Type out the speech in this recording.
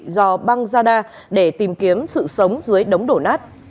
do băng zada để tìm kiếm sự sống dưới đống đổ nát